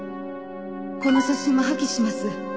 「この写真も破棄します」